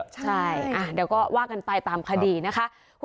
ใช่เดี๋ยวก็ว่ากันไปตามคดีนะคะ